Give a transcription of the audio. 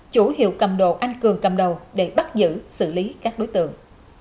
chủ hiệu cầm đồ anh cường cầm đầu để bắt giữ xử lý các đối tượng